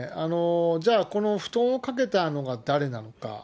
じゃあ、この布団をかけたのが誰なのか。